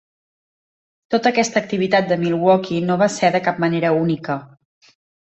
Tota aquesta activitat a Milwaukee no va ser de cap manera única.